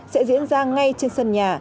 sẽ diễn ra ngay trên sân nhà